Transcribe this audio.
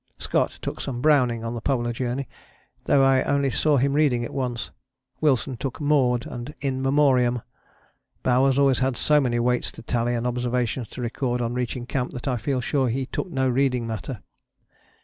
Scott took some Browning on the Polar Journey, though I only saw him reading it once; Wilson took Maud and In Memoriam; Bowers always had so many weights to tally and observations to record on reaching camp that I feel sure he took no reading matter.